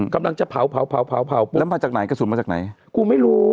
กำลังจะเผาเผาแล้วมาจากไหนกระสุนมาจากไหนกูไม่รู้